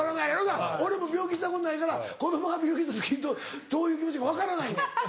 だから俺も病気したことないから子供が病気した時にどういう気持ちか分からないねん。